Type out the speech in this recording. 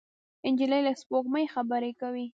نجلۍ له سپوږمۍ خبرې کوي.